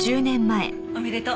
おめでとう。